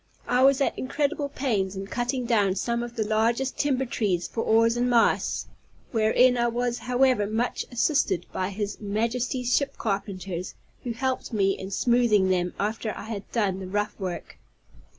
I was at incredible pains in cutting down some of the largest timber trees for oars and masts, wherein I was, however, much assisted by his Majesty's ship carpenters, who helped me in smoothing them after I had done the rough work.